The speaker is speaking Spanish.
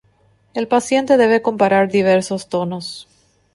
El paciente debe comparar diversos tonos.